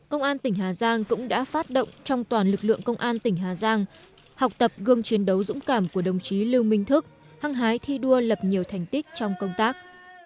công an tỉnh hà giang cũng đã phát động trong toàn lực lượng công an tỉnh hà giang học tập gương chiến đấu dũng cảm của đồng chí lưu minh thức hăng hái thi đua lập nhiều thành tích trong công tác